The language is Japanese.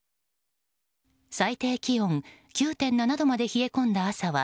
最低気温９．７度まで冷え込んだ朝は